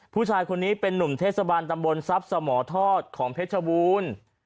ผู้ชายคนนี้เป็นหนุ่มเทราบรรยีตำบลทรัศน์สมทรทศของเพชรวูล